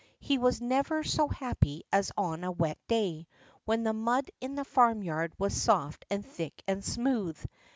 He was never so happy as on a wet day, when the mud in the farmyard was soft and thick and smooth.